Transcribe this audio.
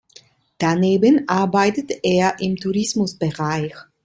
Daneben arbeitete er im Tourismusbereich.